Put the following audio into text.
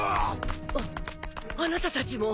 あっあなたたちも。